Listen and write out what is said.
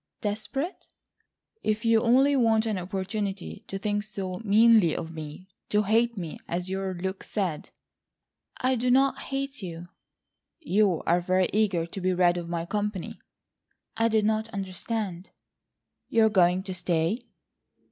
"Desperate?" "If you only want an opportunity to think so meanly of me,—to hate me, as your look said." "I do not hate you." "You are very eager to be rid of my company." "I did not understand." "You are going to stay?"